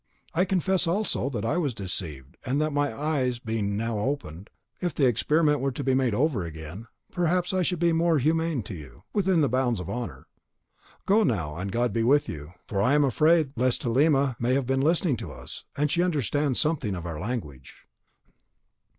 I confess, also, that I was deceived, and that my eyes being now opened, if the experiment were to be made over again, perhaps I should be more humane to you, within the bounds of honour. Go now, and God be with you; for I am afraid lest Halima may have been listening to us, and she understands something of our language."